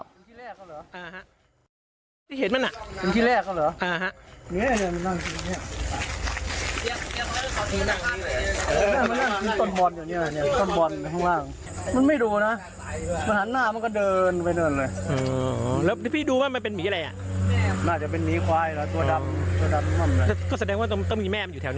ก็แสดงว่าต้องมีแม่มันอยู่แถวนี้